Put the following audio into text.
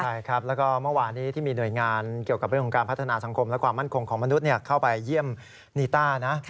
ใช่ครับแล้วก็เมื่อวานี้ที่มีหน่วยงานเกี่ยวกับเรื่องของการพัฒนาสังคมและความมั่นคงของมนุษย์เข้าไปเยี่ยมนีต้านะ